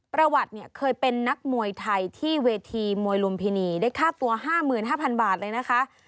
ประวัติเนี่ยเคยเป็นนักมวยไทยที่เวทีมวยลุมพินีได้ค่าตัว๕๕๐๐บาทเลยนะคะ